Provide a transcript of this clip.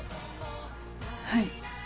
はい。